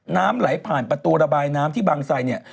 น้ำไหลผ่านประตูระบายน้ำที่บางไซเนี่ย